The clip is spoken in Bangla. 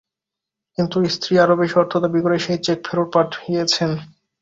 কিন্তু স্ত্রী আরও বেশি অর্থ দাবি করে সেই চেক ফেরত পাঠিয়েছেন।